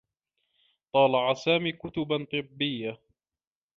طالع سامي كتبا طبّيّة.